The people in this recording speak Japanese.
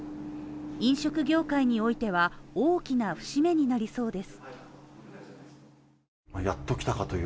飲食業界においては大きな節目になりそうです。